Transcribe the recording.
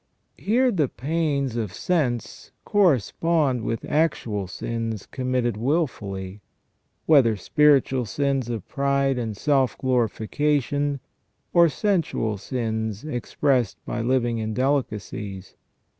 Here the pains of sense correspond with actual sins committed wilfully, whether spiritual sins of pride and self glorification, or sensual sins, expressed by living in delicacies.